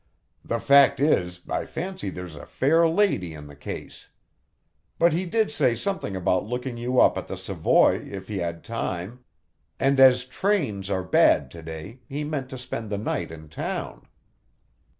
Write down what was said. The fact is, I fancy there's a fair lady in the case. But he did say something about looking you up at the Savoy, if he had time, and as trains are bad to day, he meant to spend the night in town."